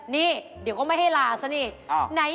นี่เดี๋ยวก็ไม่ให้ลาซะนี่